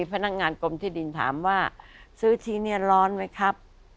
พนักงานกรมที่ดินถามว่าซื้อที่นี่ร้อนไหมครับ